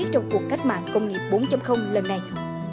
trong cuộc cách mạng công nghiệp bốn lần này